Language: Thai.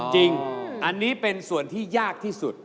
จริงอันนี้เป็นส่วนที่ยากที่สุด